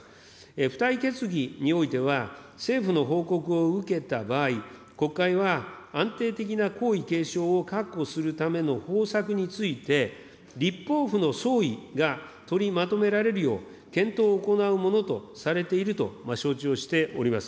付帯決議においては、政府の報告を受けた場合、国会は安定的な皇位継承を確保するための方策について、立法府の総意が取りまとめられるよう、検討を行うものとされていると承知をしております。